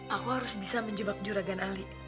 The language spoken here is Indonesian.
aku harus bisa menjebak juragan ali